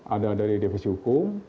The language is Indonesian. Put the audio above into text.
ada dari defis hukum